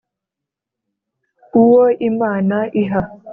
uwo imana iha,